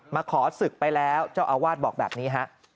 มาขอศึกไปแล้วเจ้าอาวาสบอกแบบนี้ฮะ